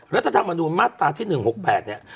รัฐธรรมนูญมาตราที่๑๖๘เนี่ย